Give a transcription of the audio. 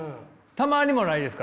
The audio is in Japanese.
たまにもないですか？